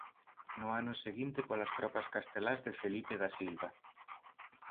No ano seguinte polas tropas castelás de Felipe da Silva.